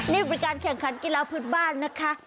นี่เป็นการแข่งขันกีฬาพื้นบ้านนะคะ